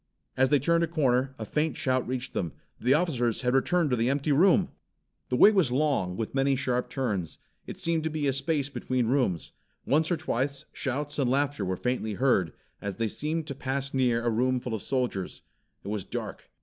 As they turned a corner, a faint shout reached them. The officers had returned to the empty room! The way was long, with many sharp turns. It seemed to be a space between rooms. Once or twice shouts and laughter were faintly heard, as they seemed to pass near a room full of soldiers. It was dark.